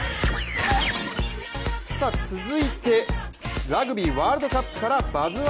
続いてラグビーワールドカップから「バズ☆１」